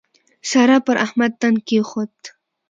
سارا پر احمد تن کېښود.